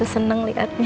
aku seneng liatnya